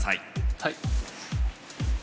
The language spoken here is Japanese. はい。